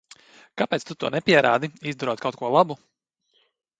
Kāpēc tu to nepierādi, izdarot kaut ko labu?